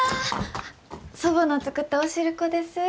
祖母の作ったお汁粉です。